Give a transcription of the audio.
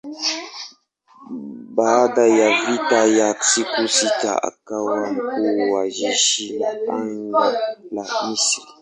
Baada ya vita ya siku sita akawa mkuu wa jeshi la anga la Misri.